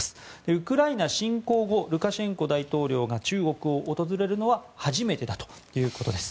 ウクライナ侵攻後ルカシェンコ大統領が中国を訪れるのは初めてだということです。